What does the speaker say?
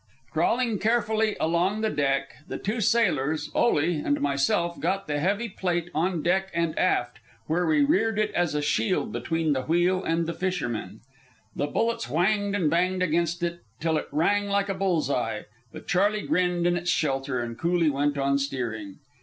Crawling carefully along the deck, the two sailors, Ole, and myself got the heavy plate on deck and aft, where we reared it as a shield between the wheel and the fishermen. The bullets whanged and banged against it till it rang like a bull's eye, but Charley grinned in its shelter, and coolly went on steering.